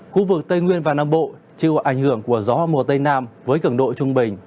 khu vực tây nguyên và nam bộ chịu ảnh hưởng của gió mùa tây nam với cường độ trung bình